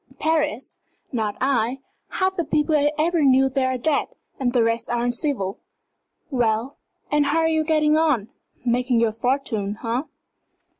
"Paris? Not I! Half the people I ever knew there are dead, and the rest are uncivil. Well, and how are you getting on? Making your fortune, eh?"